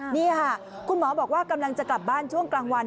นี่ค่ะคุณหมอบอกว่ากำลังจะกลับบ้านช่วงกลางวัน